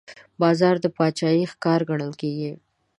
باز د باچاهۍ ښکار ګڼل کېږي